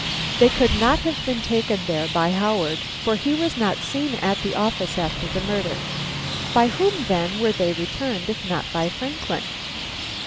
They could not have been taken there by Howard, for he was not seen at the office after the murder. By whom then were they returned, if not by Franklin?